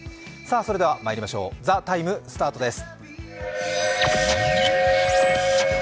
それではまいりましょう「ＴＨＥＴＩＭＥ，」スタートです。